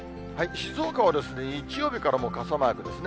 静岡は日曜日から傘マークですね。